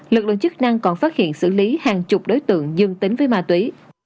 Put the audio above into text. lực lượng chức năng còn phát hiện xử lý hàng chục đối tượng dương tính với ma túy